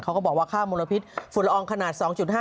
เขาก็บอกว่าค่ามลพิษฝุ่นละอองขนาด๒๕